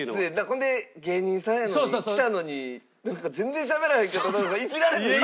ほんで芸人さんやのに来たのになんか全然しゃべらへんけどとかイジられるの。